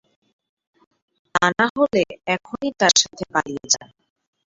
তানাহলে এখনই তার সাথে পালিয়ে যা।